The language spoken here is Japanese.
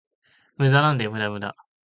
無駄なんだよ、無駄無駄